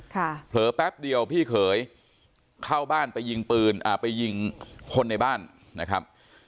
เหลือแป๊บเดียวพี่เขยเข้าบ้านไปยิงคนในบ้านนะครับ